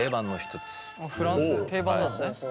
フランスで定番なのね。